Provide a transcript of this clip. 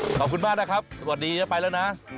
ขอบคุณมากนะครับสวัสดีนะไปแล้วนะ